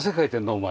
お前。